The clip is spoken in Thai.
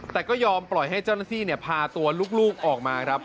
แต่ก็ยอมปล่อยให้เจ้าหน้าที่พาตัวลูกออกมาครับ